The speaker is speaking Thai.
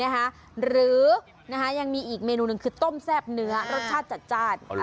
หรือยังมีอีกเมนูหนึ่งคือต้มแซ่บเนื้อรสชาติจัดจ้าน